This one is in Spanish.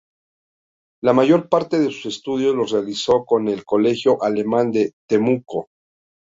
La mayor parte de sus estudios los realizó en el Colegio Alemán de Temuco.